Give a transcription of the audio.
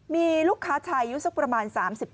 มีลูกค้าชายุทธ์ประมาณ